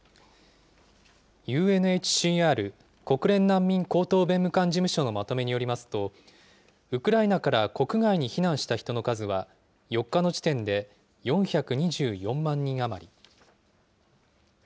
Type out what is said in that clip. ＵＮＨＣＲ・国連難民高等弁務官事務所のまとめによりますと、ウクライナから国外に避難した人の数は、４日の時点で４２４万人余り。